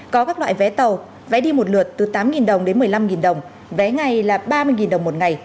có các loại vé tàu vé đi một lượt từ tám đồng đến một mươi năm đồng vé ngày là ba mươi đồng một ngày